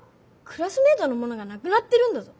クラスメートのものがなくなってるんだぞ。